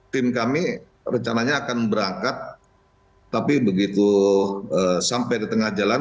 tim kami rencananya akan berangkat tapi begitu sampai di tengah jalan